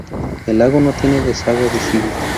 El lago no tiene desagüe visible.